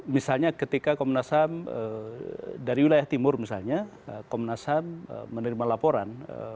misalnya ketika komnas ham dari wilayah timur misalnya komnas ham menerima laporan